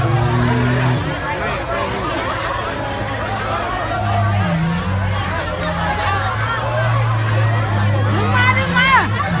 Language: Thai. ก็ไม่มีเวลาให้กลับมาเท่าไหร่